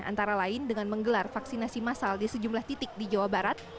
antara lain dengan menggelar vaksinasi massal di sejumlah titik di jawa barat